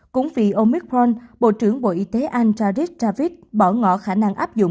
cũng vì omicron bộ trưởng bộ y tế andrade travis bỏ ngỏ khả năng áp dụng